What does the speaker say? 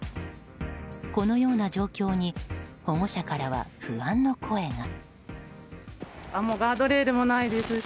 このような状況に保護者からは不安の声が。